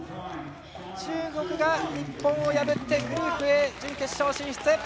中国が日本を破ってグループＡ準決勝進出。